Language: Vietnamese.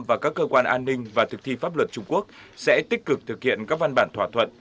và các cơ quan an ninh và thực thi pháp luật trung quốc sẽ tích cực thực hiện các văn bản thỏa thuận